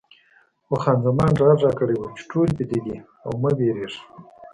خو خان زمان ډاډ راکړی و چې ټول ویده دي او مه وېرېږه.